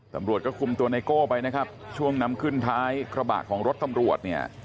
ตำรวจก็คุมตัวไนโก้ไปนะครับช่วงนำขึ้นท้ายกระบะของรถตำรวจเนี่ย